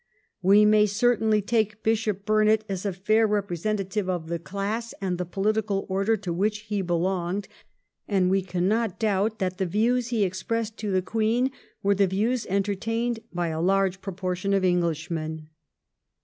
We may certainly take Bishop Burnet as a fair repre sentative of the class and the political order to which he belonged, and we cannot doubt that the views he expressed to the Queen were the views entertained by a large proportion of Englishmen.